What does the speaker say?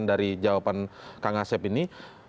dari jawaban kang asep ini